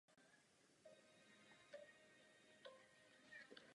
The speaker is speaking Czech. Jeho zavádění je však nevyhovující.